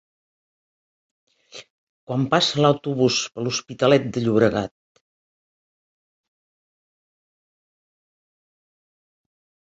Quan passa l'autobús per l'Hospitalet de Llobregat?